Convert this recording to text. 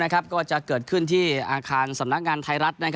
ก็จะเกิดขึ้นที่ห่างครรภ์สนับงานไทยรัฐ